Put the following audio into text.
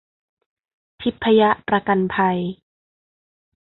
ทิพยประกันภัย